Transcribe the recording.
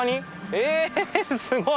えっすごい！